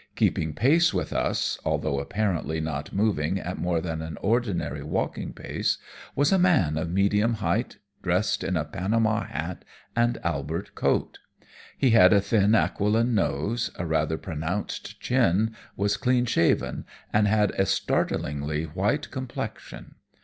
Keeping pace with us, although apparently not moving at more than an ordinary walking pace, was a man of medium height, dressed in a panama hat and albert coat. He had a thin, aquiline nose, a rather pronounced chin, was clean shaven, and had a startlingly white complexion.